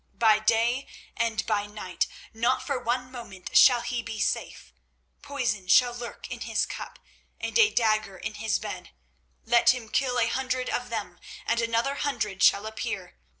By day and by night, not for one moment shall he be safe. Poison shall lurk in his cup and a dagger in his bed. Let him kill a hundred of them, and another hundred shall appear.